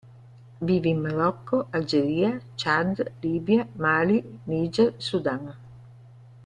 Vive in Marocco, Algeria, Ciad, Libia, Mali, Niger, Sudan.